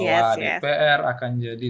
bahwa dpr akan jadi